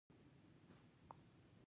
د رومي بانجان شیره د پوستکي لپاره وکاروئ